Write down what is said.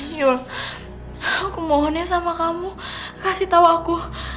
yul aku mohonnya sama kamu kasih tau aku